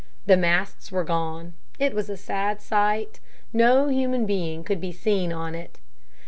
The masts were gone. It was a sad sight. No human being could be seen on it.